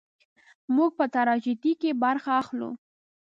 موږ په تراژیدۍ کې برخه اخلو.